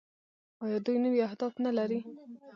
آیا دوی نوي اهداف نلري؟